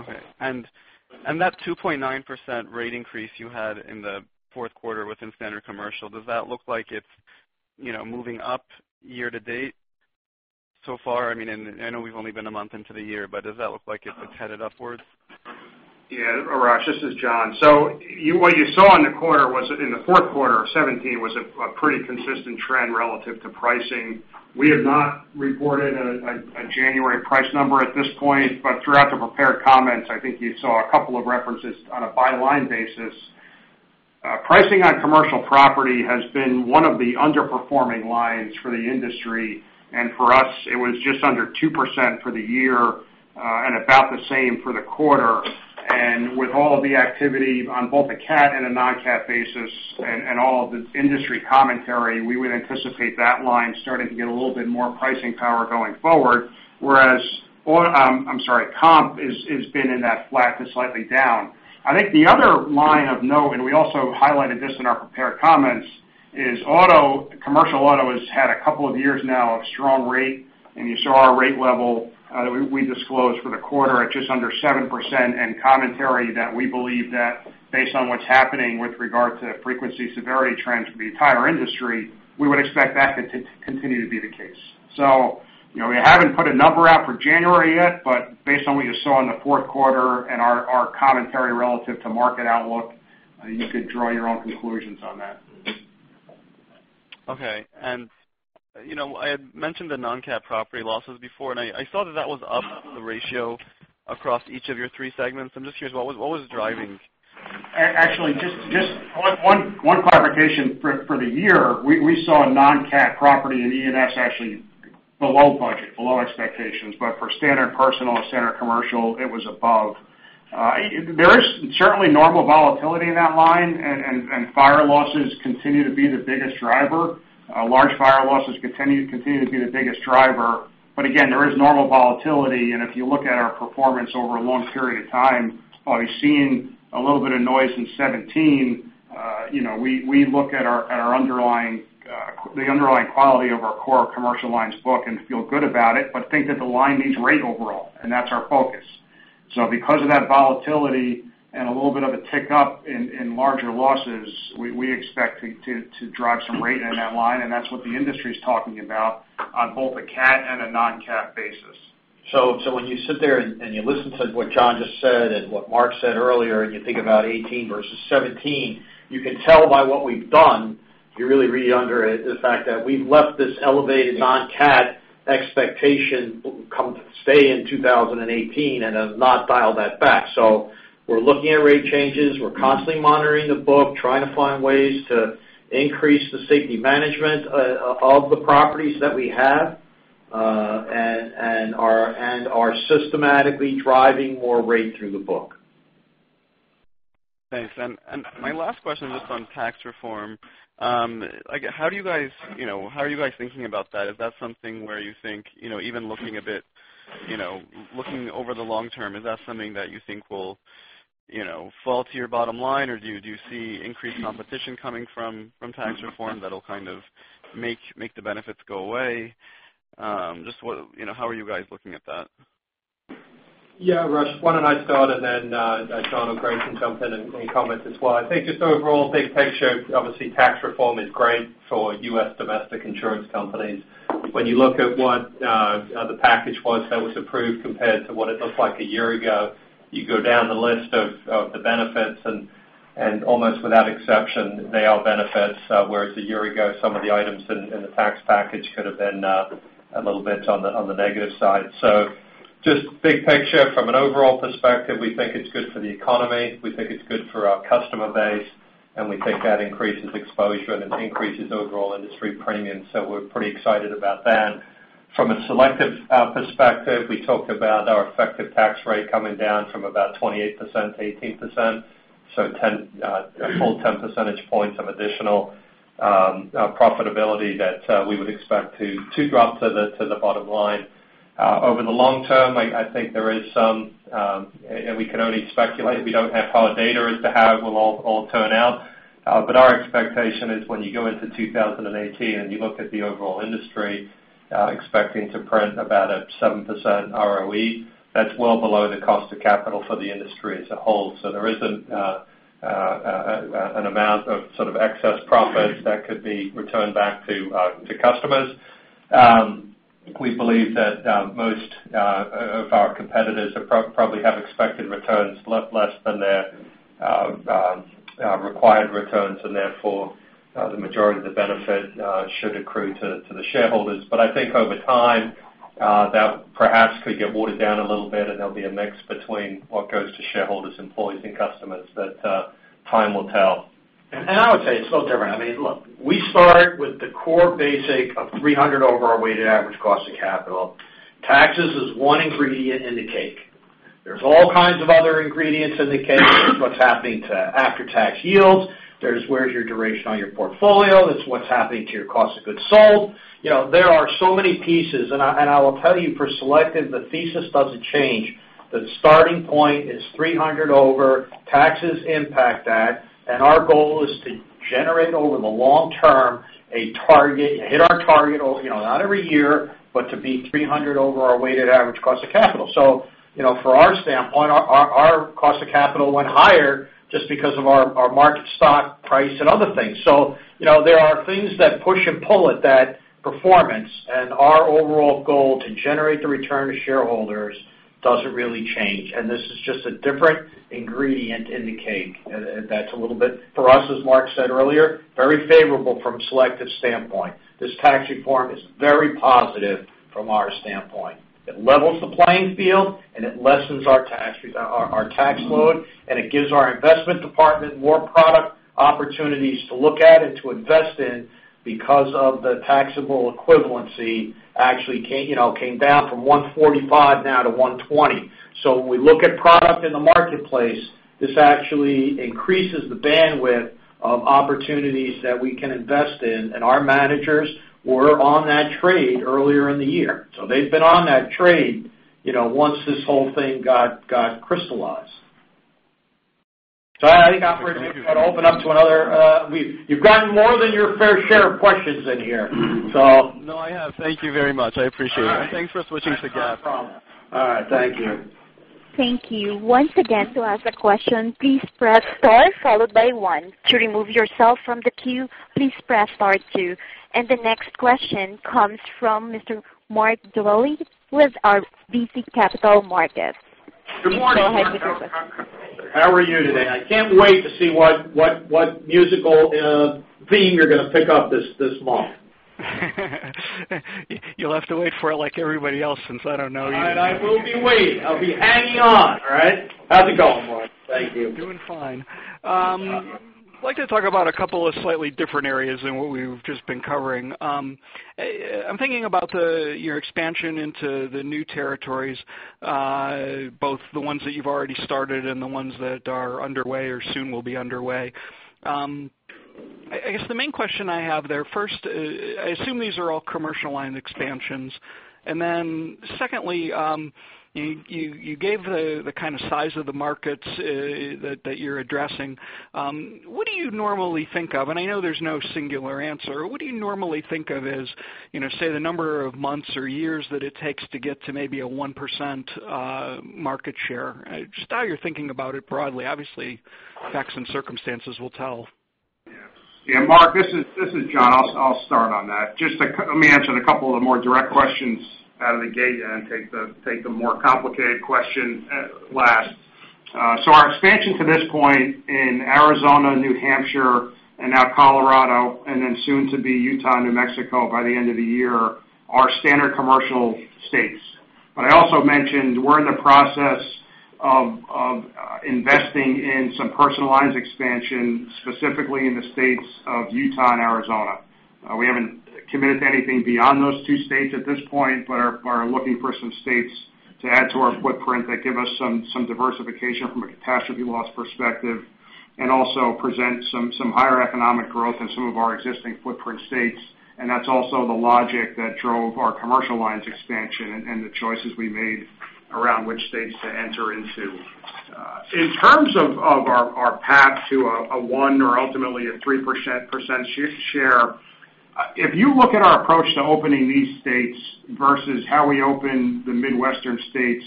Okay. That 2.9% rate increase you had in the fourth quarter within Standard Commercial, does that look like it's moving up year-to-date so far? I know we've only been a month into the year, but does that look like it's headed upwards? Yeah, Arash, this is John. What you saw in the fourth quarter of 2017 was a pretty consistent trend relative to pricing. We have not reported a January price number at this point, but throughout the prepared comments, I think you saw a couple of references on a by-line basis. Pricing on Commercial Property has been one of the underperforming lines for the industry, and for us, it was just under 2% for the year, and about the same for the quarter. With all of the activity on both a cat and a non-cat basis, and all of the industry commentary, we would anticipate that line starting to get a little bit more pricing power going forward, whereas comp has been in that flat to slightly down. I think the other line of note, we also highlighted this in our prepared comments, is Commercial Auto has had a couple of years now of strong rate. You saw our rate level, we disclosed for the quarter at just under 7%, and commentary that we believe that based on what's happening with regard to frequency severity trends for the entire industry, we would expect that to continue to be the case. We haven't put a number out for January yet, but based on what you saw in the fourth quarter and our commentary relative to market outlook, you could draw your own conclusions on that. Okay. I had mentioned the non-cat property losses before, and I saw that was up in the ratio across each of your three segments. I'm just curious, what was driving? Actually, just one clarification. For the year, we saw non-cat property in E&S actually below budget, below expectations. For Standard Personal, Standard Commercial, it was above. There is certainly normal volatility in that line, and fire losses continue to be the biggest driver. Large fire losses continue to be the biggest driver. Again, there is normal volatility, and if you look at our performance over a long period of time, while we've seen a little bit of noise in 2017, we look at the underlying quality of our core Commercial Lines book and feel good about it, but think that the line needs rate overall. That's our focus. Because of that volatility and a little bit of a tick up in larger losses, we expect to drive some rate in that line, and that's what the industry's talking about on both a cat and a non-cat basis. When you sit there and you listen to what John just said and what Mark said earlier, and you think about 2018 versus 2017, you can tell by what we've done, you really read under it the fact that we've left this elevated non-cat expectation stay in 2018 and have not dialed that back. We're looking at rate changes. We're constantly monitoring the book, trying to find ways to increase the safety management of the properties that we have, and are systematically driving more rate through the book. Thanks. My last question, just on tax reform. How are you guys thinking about that? Is that something where you think, even looking over the long term, is that something that you think will fall to your bottom line? Do you see increased competition coming from tax reform that'll kind of make the benefits go away? Just how are you guys looking at that? Yeah, Arash. Why don't I start, then John or Greg can jump in and comment as well. I think just overall big picture, obviously tax reform is great for U.S. domestic insurance companies. When you look at what the package was that was approved compared to what it looked like a year ago, you go down the list of the benefits and almost without exception, they are benefits. Whereas a year ago, some of the items in the tax package could have been a little bit on the negative side. Just big picture from an overall perspective, we think it's good for the economy, we think it's good for our customer base, and we think that increases exposure and it increases overall industry premiums. We're pretty excited about that. From a Selective perspective, we talked about our effective tax rate coming down from about 28% to 18%. A full 10 percentage points of additional profitability that we would expect to drop to the bottom line. Over the long term, I think there is some, we can only speculate, we don't have hard data as to how it will all turn out. Our expectation is when you go into 2018, and you look at the overall industry expecting to print about a 7% ROE, that's well below the cost of capital for the industry as a whole. There is an amount of sort of excess profits that could be returned back to customers. We believe that most of our competitors probably have expected returns less than their required returns, and therefore the majority of the benefit should accrue to the shareholders. I think over time that perhaps could get watered down a little bit, and there'll be a mix between what goes to shareholders, employees, and customers. Time will tell. I would say it's no different. Look, we start with the core basic of 300 over our weighted average cost of capital. Taxes is one ingredient in the cake. There's all kinds of other ingredients in the cake. What's happening to after-tax yields. There's where's your duration on your portfolio. It's what's happening to your cost of goods sold. There are so many pieces, I will tell you for Selective, the thesis doesn't change. The starting point is 300 over, taxes impact that, our goal is to generate over the long term, hit our target, not every year, but to be 300 over our weighted average cost of capital. For our standpoint, our cost of capital went higher just because of our market stock price and other things. There are things that push and pull at that performance. Our overall goal to generate the return to shareholders doesn't really change. This is just a different ingredient in the cake that's a little bit for us, as Mark said earlier, very favorable from Selective's standpoint. This tax reform is very positive from our standpoint. It levels the playing field, and it lessens our tax load, and it gives our investment department more product opportunities to look at and to invest in because of the taxable equivalency actually came down from 145 now to 120. When we look at product in the marketplace, this actually increases the bandwidth of opportunities that we can invest in, and our managers were on that trade earlier in the year. They've been on that trade once this whole thing got crystallized. I think, operator, I'll open up to another. You've gotten more than your fair share of questions in here. No, I have. Thank you very much. I appreciate it. All right. thanks for switching to GAAP. Not a problem. All right. Thank you. Thank you. Once again, to ask a question, please press star followed by one. To remove yourself from the queue, please press star two. The next question comes from Mr. Mark Dwelle with RBC Capital Markets. Good morning. Please go ahead with your question. How are you today? I can't wait to see what musical theme you're going to pick up this month. You'll have to wait for it like everybody else since I don't know either. All right, I will be waiting. I'll be hanging on. All right. How's it going, Mark? Thank you. Doing fine. I'd like to talk about a couple of slightly different areas than what we've just been covering. I'm thinking about your expansion into the new territories, both the ones that you've already started and the ones that are underway or soon will be underway. I guess the main question I have there, first, I assume these are all Commercial line expansions. Secondly, you gave the kind of size of the markets that you're addressing. What do you normally think of, and I know there's no singular answer, what do you normally think of as, say, the number of months or years that it takes to get to maybe a 1% market share? Just how you're thinking about it broadly. Obviously, facts and circumstances will tell. Yeah. Mark, this is John. I'll start on that. Just let me answer a couple of the more direct questions out of the gate and take the more complicated question last. Our expansion to this point in Arizona, New Hampshire, and now Colorado, then soon to be Utah and New Mexico by the end of the year, are Standard Commercial states. I also mentioned we're in the process of investing in some Personal Lines expansion, specifically in the states of Utah and Arizona. We haven't committed to anything beyond those two states at this point, are looking for some states to add to our footprint that give us some diversification from a catastrophe loss perspective, and also present some higher economic growth in some of our existing footprint states. That's also the logic that drove our Commercial Lines expansion and the choices we made around which states to enter into. In terms of our path to a 1% or ultimately a 3% share, if you look at our approach to opening these states versus how we opened the Midwestern states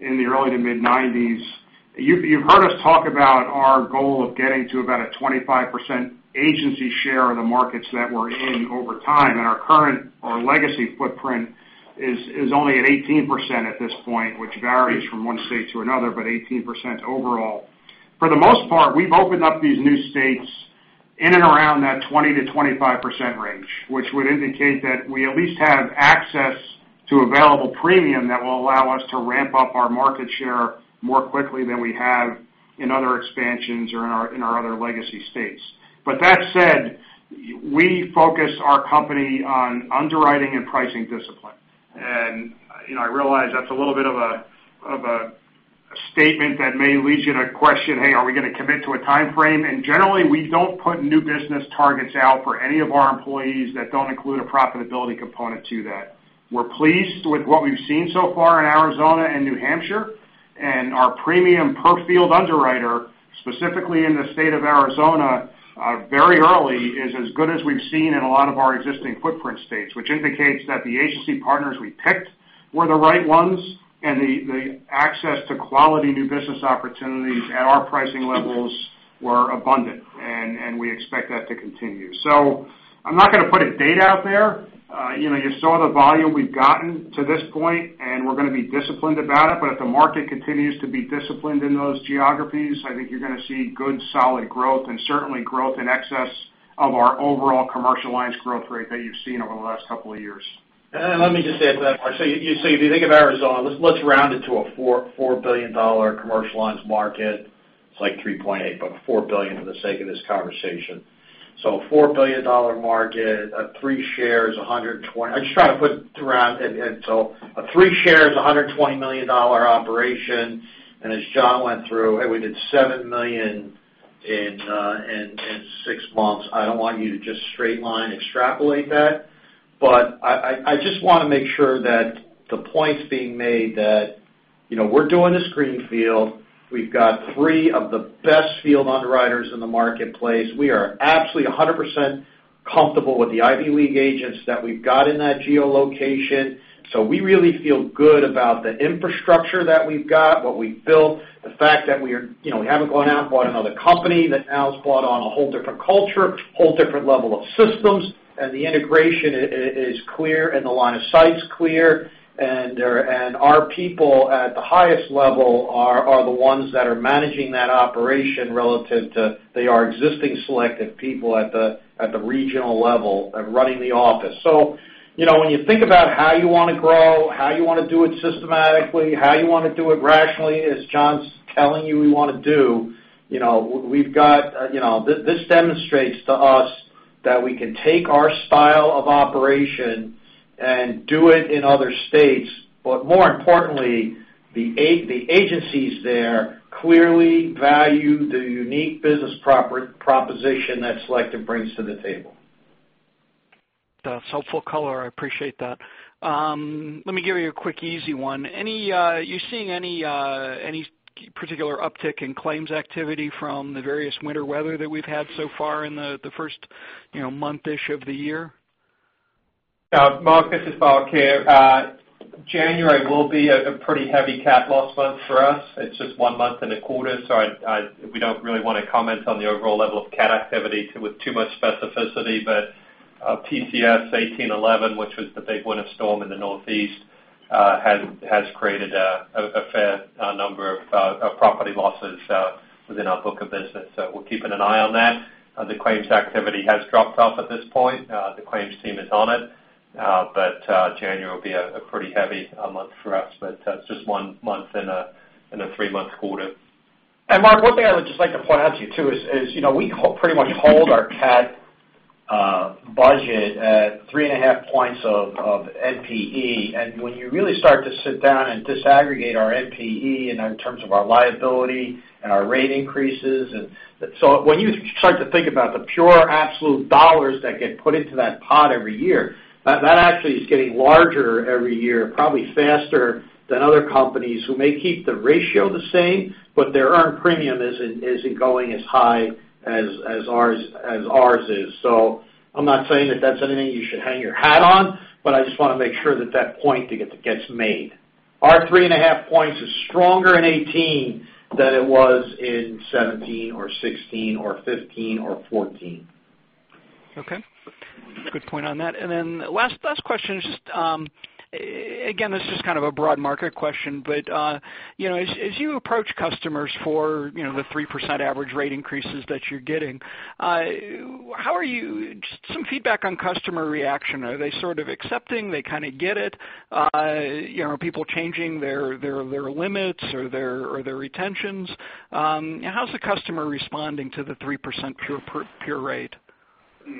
in the early to mid-'90s, you've heard us talk about our goal of getting to about a 25% agency share of the markets that we're in over time, and our current or legacy footprint is only at 18% at this point, which varies from one state to another, but 18% overall. For the most part, we've opened up these new states in and around that 20%-25% range, which would indicate that we at least have access to available premium that will allow us to ramp up our market share more quickly than we have in other expansions or in our other legacy states. That said, we focus our company on underwriting and pricing discipline. I realize that's a little bit of a the access to quality new business opportunities at our pricing levels were abundant, and we expect that to continue. I'm not going to put a date out there. You saw the volume we've gotten to this point, and we're going to be disciplined about it. If the market continues to be disciplined in those geographies, I think you're going to see good, solid growth and certainly growth in excess of our overall Commercial Lines growth rate that you've seen over the last couple of years. Let me just add to that, Mark. If you think of Arizona, let's round it to a $4 billion Commercial Lines market. It's like $3.8, $4 billion for the sake of this conversation. A $4 billion market, a 3% share is $120 million operation. As John went through, we did $7 million in 6 months. I don't want you to just straight line extrapolate that, I just want to make sure that the point's being made that we're doing this greenfield. We've got 3 of the best field underwriters in the marketplace. We are absolutely 100% comfortable with the Ivy League agents that we've got in that geolocation. We really feel good about the infrastructure that we've got, what we've built, the fact that we haven't gone out and bought another company that now has brought on a whole different culture, whole different level of systems, the integration is clear and the line of sight is clear. Our people at the highest level are the ones that are managing that operation relative to their existing Selective people at the regional level and running the office. When you think about how you want to grow, how you want to do it systematically, how you want to do it rationally, as John's telling you we want to do, this demonstrates to us that we can take our style of operation and do it in other states. More importantly, the agencies there clearly value the unique business proposition that Selective brings to the table. That's helpful color. I appreciate that. Let me give you a quick, easy one. Are you seeing any particular uptick in claims activity from the various winter weather that we've had so far in the first month-ish of the year? Mark, this is Mark here. January will be a pretty heavy cat loss month for us. It's just one month in a quarter, we don't really want to comment on the overall level of cat activity with too much specificity. PCS 1811, which was the big winter storm in the Northeast, has created a fair number of property losses within our book of business. We're keeping an eye on that. The claims activity has dropped off at this point. The claims team is on it. January will be a pretty heavy month for us, but that's just one month in a three-month quarter. Mark, one thing I would just like to point out to you too is we pretty much hold our cat budget at three and a half points of NPE. When you really start to sit down and disaggregate our NPE in terms of our liability and our rate increases, when you start to think about the pure absolute dollars that get put into that pot every year, that actually is getting larger every year, probably faster than other companies who may keep the ratio the same, their earned premium isn't going as high as ours is. I'm not saying that that's anything you should hang your hat on, I just want to make sure that that point gets made. Our three and a half points is stronger in 2018 than it was in 2017 or 2016 or 2015 or 2014. Okay. Good point on that. Last question is just, again, this is kind of a broad market question, as you approach customers for the 3% average rate increases that you're getting, just some feedback on customer reaction. Are they sort of accepting, they kind of get it? Are people changing their limits or their retentions? How's the customer responding to the 3% pure rate?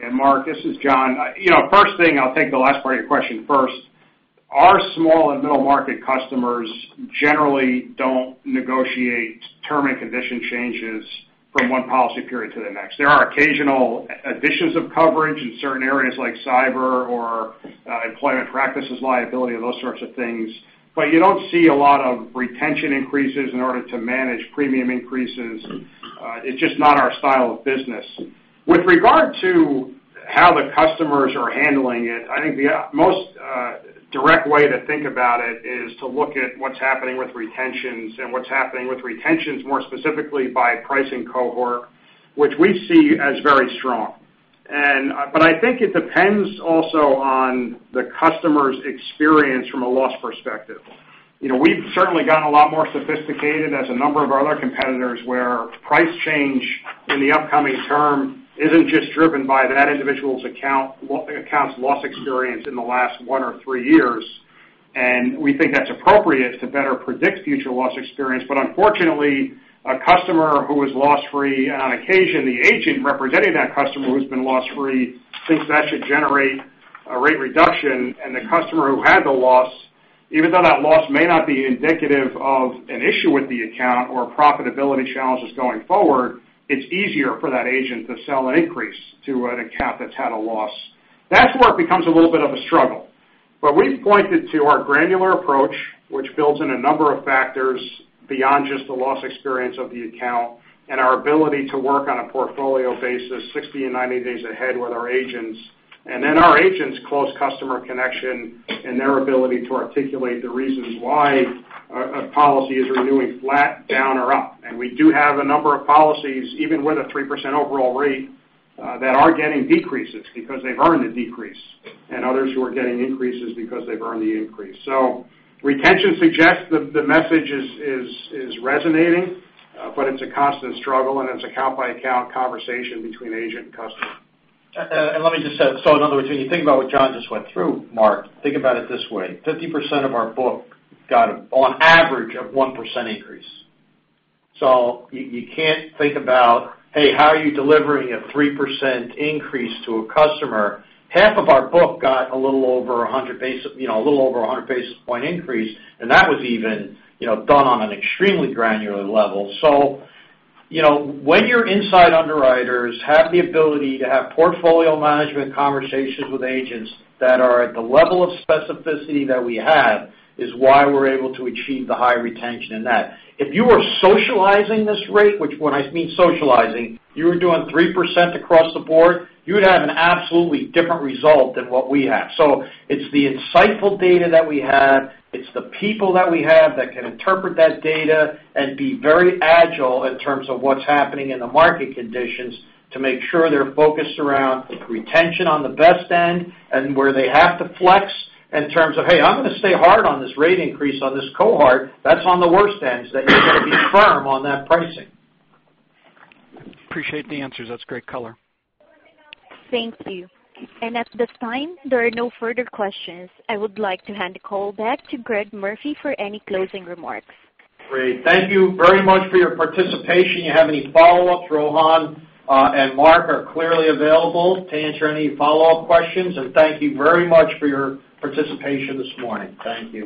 Yeah, Mark, this is John. First thing, I'll take the last part of your question first. Our small and middle market customers generally don't negotiate term and condition changes from one policy period to the next. There are occasional additions of coverage in certain areas like cyber or employment practices liability and those sorts of things. You don't see a lot of retention increases in order to manage premium increases. It's just not our style of business. With regard to how the customers are handling it, I think the most direct way to think about it is to look at what's happening with retentions and what's happening with retentions more specifically by pricing cohort, which we see as very strong. I think it depends also on the customer's experience from a loss perspective. We've certainly gotten a lot more sophisticated as a number of our other competitors, where price change in the upcoming term isn't just driven by that individual's account's loss experience in the last one or three years. We think that's appropriate to better predict future loss experience. Unfortunately, a customer who is loss-free, and on occasion, the agent representing that customer who's been loss-free thinks that should generate a rate reduction, and the customer who had the loss, even though that loss may not be indicative of an issue with the account or profitability challenges going forward, it's easier for that agent to sell an increase to an account that's had a loss. That's where it becomes a little bit of a struggle. We've pointed to our granular approach, which builds in a number of factors beyond just the loss experience of the account, and our ability to work on a portfolio basis 60 and 90 days ahead with our agents. Our agents' close customer connection and their ability to articulate the reasons why a policy is renewing flat, down, or up. We do have a number of policies, even with a 3% overall rate, that are getting decreases because they've earned a decrease, and others who are getting increases because they've earned the increase. Retention suggests that the message is resonating, but it's a constant struggle, and it's account by account conversation between agent and customer. Let me just add. In other words, when you think about what John just went through, Mark, think about it this way. 50% of our book got on average of 1% increase. You can't think about, hey, how are you delivering a 3% increase to a customer? Half of our book got a little over 100 basis point increase, and that was even done on an extremely granular level. When your inside underwriters have the ability to have portfolio management conversations with agents that are at the level of specificity that we have is why we're able to achieve the high retention in that. If you were socializing this rate, which when I mean socializing, you were doing 3% across the board, you would have an absolutely different result than what we have. It's the insightful data that we have. It's the people that we have that can interpret that data and be very agile in terms of what's happening in the market conditions to make sure they're focused around retention on the best end, and where they have to flex in terms of, hey, I'm going to stay hard on this rate increase on this cohort. That's on the worst ends, that you've got to be firm on that pricing. Appreciate the answers. That's great color. Thank you. At this time, there are no further questions. I would like to hand the call back to Greg Murphy for any closing remarks. Great. Thank you very much for your participation. You have any follow-ups, Rohan and Mark are clearly available to answer any follow-up questions. Thank you very much for your participation this morning. Thank you.